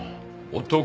男。